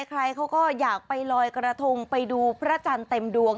ใครเขาก็อยากไปลอยกระทงไปดูพระจันทร์เต็มดวง